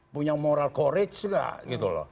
punya moral courage enggak